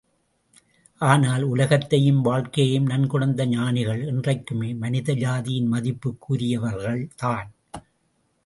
ஆனால், உலகத்தையும், வாழ்க்கையையும் நன்குணர்ந்த ஞானிகள், என்றைக்குமே மனித ஜாதியின் மதிப்புக்கு உரியவர்கள்தான்.